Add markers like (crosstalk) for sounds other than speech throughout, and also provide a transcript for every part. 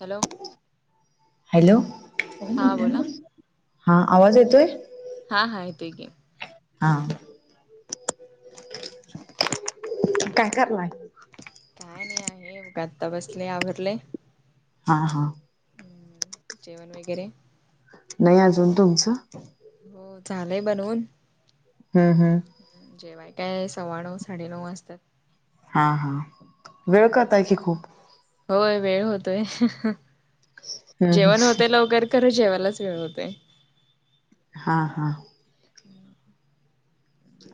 Hello hello. जरा हा मोठ्यानं बोला बोल की. हा, आवाज येतोय? हा.. हा. येतोय की. हा. काय करलाय? काय नाही आहे बघा आत्ता बसले, आवरलंय. हा.. हा. जेवण वगैरे? नाही अजून. तुमचं? हो, झालंय बनवून. हम्.. हम्. जेवाय काय सव्वानऊ, साडेनऊ वाजतात. हा.. हा. वेळ हम्म करताय की खूप. होय, वेळ होतोय. ह ह हम्म जेवण हम्म होते लवकर. खरं जेवायलाच वेळ होतंय. हा.. हा.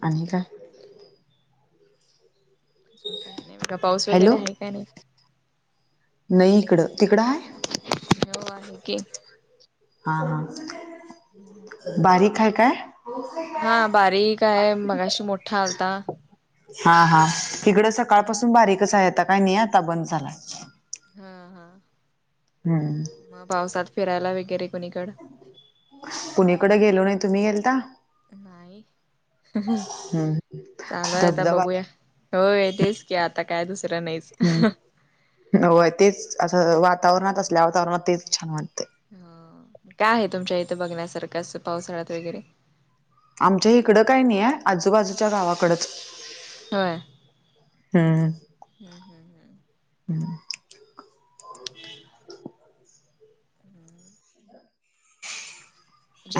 आणि काय? अजून काही नाही बघा. पाऊस वगैरे हॅलो आहे का नाही? नाही इकडं. तिकडं हाय? हो, आहे की, हा हा, बारीक हाय काय. हा, बारीक आहे मगाशी मोठा आलता. हा हा, हिकडं सकाळ हम्म पाासून बारीकच आहे. आता काय नाही आता बंद झालाय. हा हा, हम्म, मग पावसात फिरायला वगैरे कोणीकड. कुणीकडे गेलो नाही तुम्ही गेलता. नाही ह ह, हम्म चालूय आता धबधबा बघूया. होय तेच की, आता काय दुसरं नाहीच ह, हम्म होय तेच असं वातावरणात असल्या वातावरणात तेच छान वाटते. ह, काय आहे तुमच्या इथे बघण्यासारखं अस पावसाळ्यात वगैरे. आमच्या इकडं काही नाही आहे. आजूबाजूच्या गावाकडच. हा, हम् हम् हम्, हम्, हम्म (inaudible)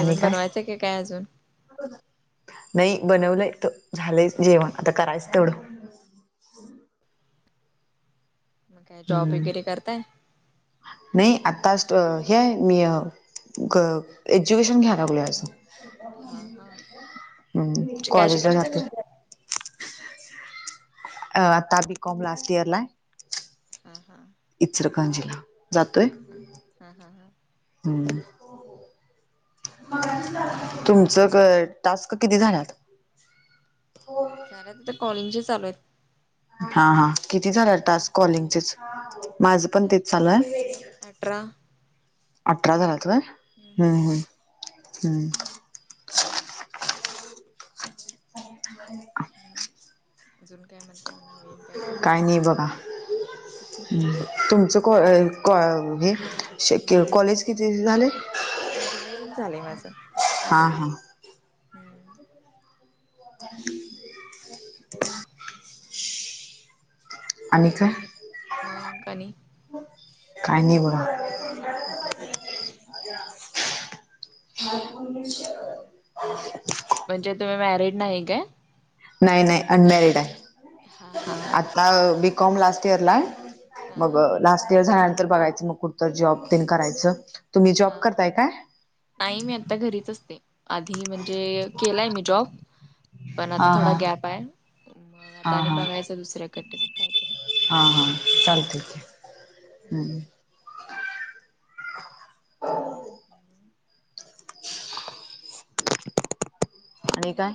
आणि काय बनवायचं की, काय अजून. नाही बनवलंय त झालंय जेवण आता करायच तेवढं. मग काय जॉब हम्म वगैरे करताय. नाही आता हे मी क एज्युकेशन घ्या लागलय आज हा हा हम्म, म्हणजे काय कॉलेजला शिकालाय? जाते. अ आता बीकॉम लास्ट इयर ला हाय. हा हा. इचरकंजीला जातोय हा हा हा हम्म, मगाशीच झालता तुमच क टास्क किती झालात. झाले आता कॉलिचे चालू आहेत. हा हा, किती झाल्या तास कॉलिंगचेच हा हो. माझं पण तेच चालेल चालू आहे अठरा अठरा झाला होय. हम्म ह ह हम्म ह, काय नाही. ह अजुन काय म्हण''--'' काही नाही बघा हम्म. तुमचं कॉ कॉ माझे श क कॉलेज किती झालेय. इंजिनिअरिंग झालंय माझं. हा हा, हम्म, ह (inaudible) आणि काय. मग आणी. काय नाही बघा. हम्म हम्म, अज (inaudible) मपूर्ण (inaudible) म्हणजे तुम्ही मॅरिड नाही काय. नाही-नाही अनमॅरिड आहे. हा हा बीकॉम लास्ट इयर ला आहे हा मग हा लास्ट इयर झाल्यानंतर बघायचं मग कुठंतर जॉब तेन करायचं. तुम्ही जॉब हा. हा, करताय काय नाही मी आता घरीच असते. आधी म्हणजे केलाय मी जॉब पण आता हा थोडा हा गॅप आहे. मग आता हा आणि हा बघायचं दुसऱ्याकट काहीतरी हा हा चालतयं. हं.. हम्म हं.. (unintelligible) आणि काय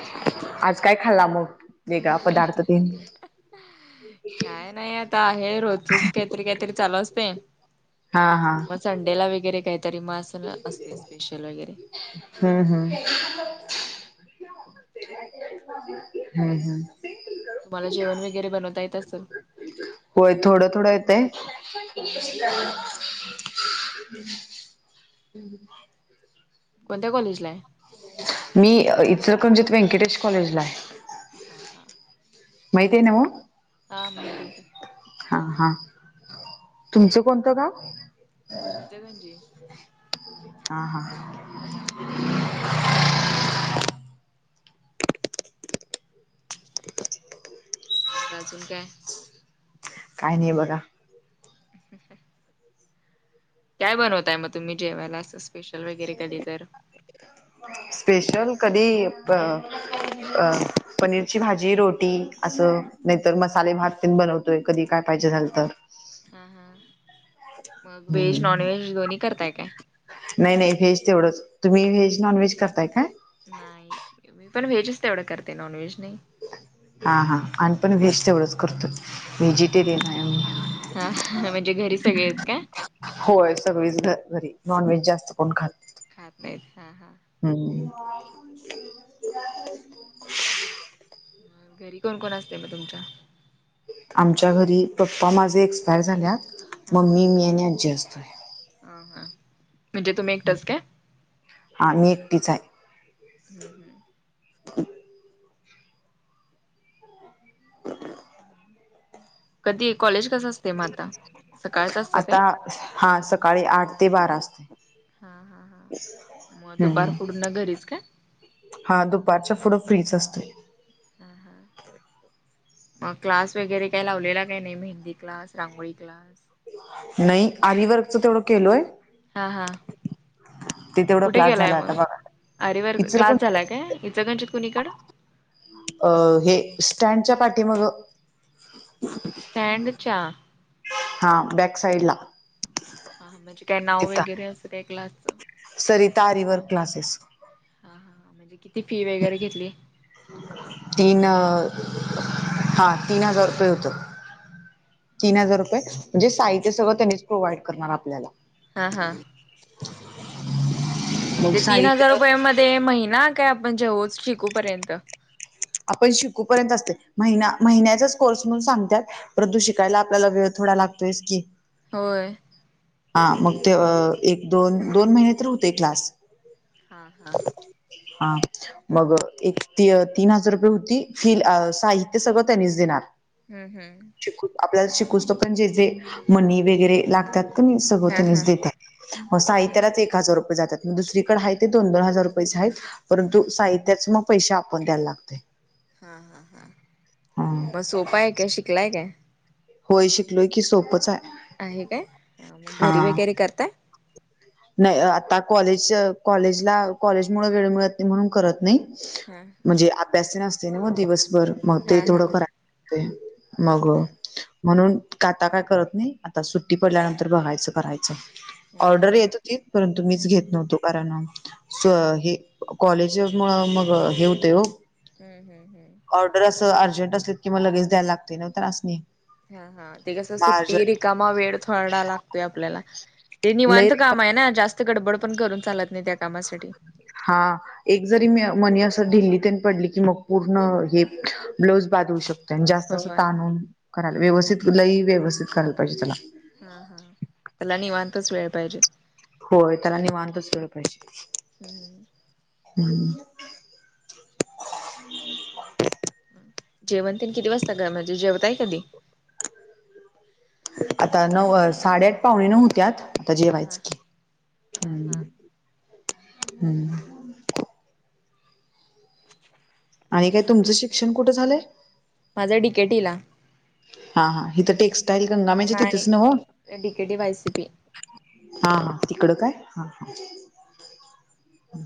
अजून काही नाही आज बघा काय खाल्ला मग वेगळा पदार्थ तेन? काय नाही आता आहे रोजचंच काहीतरी- काहीतरी चालू असतंय. हा हा संडेला वगैरे काहीतरी म अस असतयं स्पेशल वगैरे. हं. हं. हुं.. हुं... तुम्हांला जेवण वगैरे बनवता येत असल? होय थोडं -थोडं येतयं. हा हा हूं.. हूं.. कोणत्या कॉलेजला आहे? मी इचलकरंजीत व्यंकटेश कॉलेजला आहे. हा, हा. माहिताय नव्ह. हा माहित आहे की. हा, हा. तुमचं कोणतं गाव? इचलकरंजी. हा,.. हा.. मग अजून काय. काय नाही बघा. काय बनवताय मग तुम्ही जेवायला असं स्पेशल वगैरे कधी तर? स्पेशल कधी अ अ पनीरची भाजी-रोटी असं, नाहीतर मसाले भात तेन बनवत तोय कधी काय पाहिजे झालं तर. हा, हा. मग व्हेज हम्म. -नॉनव्हेज दोन्ही करताय काय? नाही- नाही व्हेज तेवढंच. तुम्ही व्हेज नॉन व्हेज करताय काय? नाही मी पण व्हेजच तेवढं करते, नॉनव्हेज नाही. हा, हा. आम्हीपण व्हेज तेवढंच करतोय व्हेजिटेरियन हाय आम्ही. हा.. म्हणजे घरी सगळेच काय? होय सगळीच घ घरी नॉनव्हेज जास्त कोण खात खात नाहीत हा, हा. हम्म घरी कोण -कोण असतंय म तुमच्या? आमच्या घरी पप्पा माझे एक्सपायर झाल्यात मम्मी, मी आणि आजी असतोय. ह हा म्हणजे तुम्ही एकटंच काय? हां मी एकटीच आहे. हम्म हम्म कधीये कॉलेज? तसच सेम आता सकाळच असत ते. आता हा सकाळी आठ ते बारा असते हा हा हा मग हम्म दुपार पुर्ण घरीच काय? हा दुपारच्या पुढ फ्रीच असते. हा हा ह (inaudible) मग क्लास वगैरे काही लावलेला काही नाही मेहंदी क्लास, रांगोळी क्लास. नाही आरी वर्कच तेवढ केलोय. हां हां ते तेवढा कुठे क्लास केलाय झाला आता मग बघा आरीवर्क क्लास झालाय इचलकरंजीत काय? इचंण (unintelligible) कुणीकड अ हे स्टँडच्या पाठी माग‌ स्टँडच्या. हा बॅक साईडला. हा म्हणजे काय नाव वगैरे अस काय क्लासच. सरीता आरीवर्क क्लासेस. हा हा म्हणजे किती फी वगैरे घेतली? तीन हा तीन हजार रुपये होत. तीन हजार रुपये म्हणजे साहित्य सगळ त्यांनीच प्रोव्हाइड करणार आपल्याला. हां हां मग म्हणजे तीन हजार साहित्य रुपया मध्ये महिना काय आपण जेव शिकूपर्यंत. आपण शिकूपर्यंत असते महिना महिन्याचा कोर्स म्हणून सांगत्यात. परंतू शिकायला आपल्याला वेळ थोडा लागतोयस की. होय. हा मग ते एक दोन दोन महिने तर होतय क्लास. हा हा हा मग एक ती तीन हजार रुपये होती फी साहित्य सगळ त्यांनीच देणार. हम्म हम्म. श आपल्याला शिकूस तोपर्यंत पण जे जे मणी वगैरे लागतात. सगळ हा तीनीच हा देत्यात, मग हा साहित्यालाच एक एक हजार रुपये जातात मग दुसरीकडे आहे ते दोन दोन हजार रुपये आहेत परंतु साहित्याच मग पैशे पण द्यायला लागतय. हा हा हा मग सोप आहे काय शिकलाय काय? होय शिकलोय की सोपच आहे. आहे काय मग घरी हा वगैरे करताय. नाही आता कॉलेज कॉलेजला कॉलेज मुळ वेळ मिळत नाही म्हणून करत नाही. हा म्हणजे अभ्यास तेन असतय नव्ह दिवसभर मग ते हा थोड हा करायला. मग म्हणून आता काय करत नाही आता सुट्टी पडल्यानंतर बघायच करायच. हम्म ऑर्डर हम्म येत होती, परंतु मीच घेत नव्हतो. ब (unintelligible) ना हे कॉलेज मुळ मग हे होतय हो. हम्म हम्म हम्म. ऑर्डर अस अर्जंट असलीत कि मग लगेच द्यायला लागते न त्यासनी. हा हां ते कस मग सुट्टी अर्जंट रिकामा वेळ थोडा लागतोय आपल्याला. ते निवांत लई काम आहे ना जास्त गडबड पण करून चालत नाही त्या कामासाठी. हां. एक जरी मनी असं ढिल्ली तेन पडली की मग पूर्ण, हे ब्लाऊज बांध होऊ शकत. जास्त असं होय ताणून करायला, लई व्यवस्थित, लई व्यवस्थित करायला पाहिजे त्येला. हा, हा त्याला निवांतच वेळ पाहिजे. होय, त्याला निवांतच वेळ पाहिजे. (inaudible) हम्म. जेवण तेन किती वाजता घरामधी, म्हणजे जेवताय कधी? आता नऊ, साडेआठ- पाहणे नऊ हुत्यात, आता हा हा जेवायचं की, हा हम्म. हा हम्म. आणि काय तुमचं शिक्षण कुठं झालंय? माझ डीकेटीला. हा, हा हिथं टेक्स्टाईल, गंगामाईच्या तिथेच नव्ह? नाही डीकेटी वायसीपी हा, हा तिकडं काय, हा, ह. (inaudible)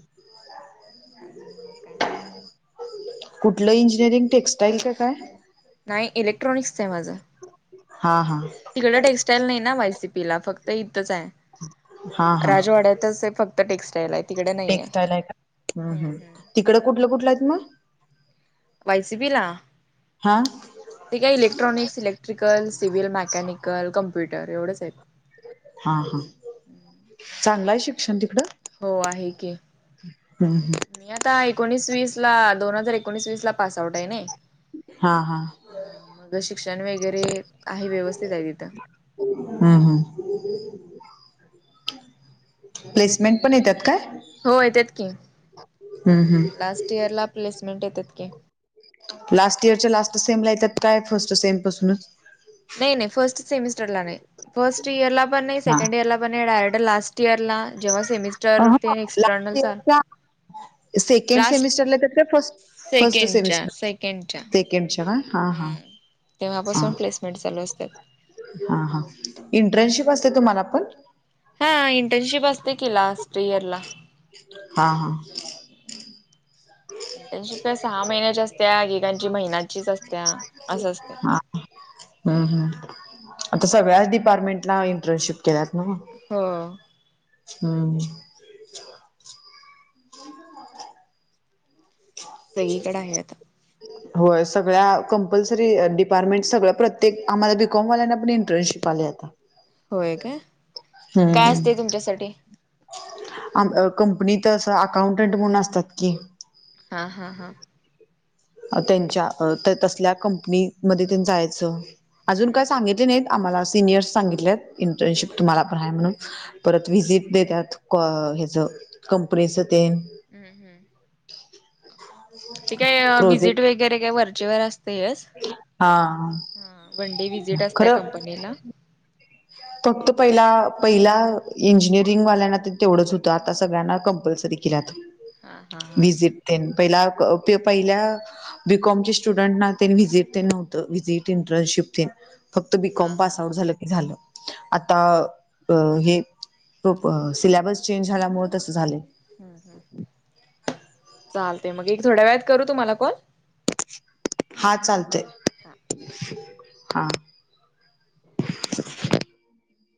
अजून मग काय? कुठलं इंजिनिअरिंग टेक्स्टाइल का काय? नाही इलेक्ट्रॉनिक्सच माझं. हा, हा. तिकड टेक्स्टाइल नाही ना वायसीपीला फक्त इथंच हाय, हा हा राजवाड्यातच हाय फक्त. टेक्स्टाईल आहेत. टेक्स्टाईल आहे का. हम्म, हम्म तिकडं कुठलं, कुठलं आहेत मग? वायसीपीला. हा ते काय, electronics, electrical, civil mechanical, computer एवढंच आहेत. हा, हा चांगलं हाय शिक्षण तिकडं? हो आहे की. हम्म हम्म मी आता एकोणीस-वीसला, दोन हजार एकोणीस-वीसला पास आउट आहे नयी. हा हा हा, मग शिक्षण वगैरे, आहे व्यवस्थित हाय तिथं. हम्म, हम्म. प्लेसमेंट पण येत्यात काय? हो, येत्यात की, हम्म हम्म लास्ट इयर ला प्लेसमेंट येत्यात की. लास्ट इयरच्या लास्ट सेमला येत्यात काय, फर्स्ट सेम पासूनच? नाही, नाही फर्स्ट सेमिस्टरला नाही, फर्स्ट इयरला पण नाही, हा सेकंड इयरला डायरेक्ट लास्ट इअरला, जेव्हा सेमिस्टर एक्स्टर्नल चाल सेकेण्ड लास्ट सेमिस्टरला त्यात काय फस्ट, फस्ट सेकंडच्या सेकेण्डच्या हा. हा हम्, हा तेव्हापासून प्लेसमेंट चालू असत्यात. हा, हा इंटर्नशिप असते तुम्हाला पण? हा, इंटर्नशिप असते कि लास्ट इयरला. हा, हा. एकेकाची सहा महिन्याची असत्या, एकेकाची महिन्याचीच असत. हा. हम्म, हमं आता सगळ्याच डिपार्टमेंटला इंटर्नशिप केल्यात नव्ह. हो हम्म सगळीकड आहे आता. (unintelligible) होय, सगळ्या कंपल्सरी डिपार्टमेंट सगळं प्रत्येक आम्हाला बीकॉमवाल्यांना पण इंटर्नशिप आल्यात. ह होय क काय असते तुमच्यासाठी कंपनीत अकाउंटंट म्हणून असतात की हा हा हां त्यांच्या तसल्या कंपनीमध्ये त्यां जायचं. अजून हम्म काय सांगितले नाहीत आम्हाला सिनियर्स सांगितले इंटर्नशिप हम्म तुम्हाला पण आहे म्हणून. परत व्हिजिट देतात ह्याचं कंपनीचं ते हम्म हम्म! ते काय विजिट प्रोजेक्ट वगैरे काय वरचेवर असते येस. हा वनडे व्हिजिट असतय खरं कंपनीला. फक्त पहिला पहिला इंजिनिअरिंगवाल्यांना तेवढंच होतं आता सगळ्यांना कंपल्सरी केल्यात हा हा हा व्हिजिट पहिल्या पहिल्या. बीकॉम च्या स्टुडंट ला व्हजिट ते नव्हतं व्हजिट इंटर्नशिप ते फक्त हा बीकॉम हा पास आउट झालं की झालं. आता हे सिलेबस चेंज झाल्यामुळे तस झाले. चालते मग थोड्या वेळात करू तुम्हाला कॉल. हा चालतय हा हा!